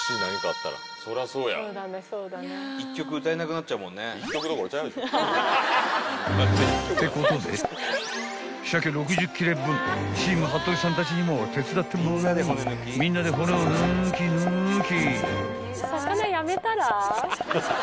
［ってことで鮭６０切れ分チーム服部さんたちにも手伝ってもらいみんなで骨を抜き抜き］